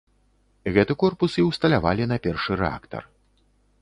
Гэты корпус і ўсталявалі на першы рэактар.